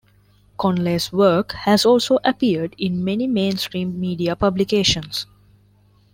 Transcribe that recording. Conley's work has also appeared in many mainstream media publications.